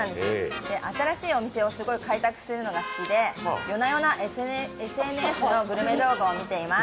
新しいお店をすごい開拓するのが好きで夜な夜なＳＮＳのグルメ動画を見ています。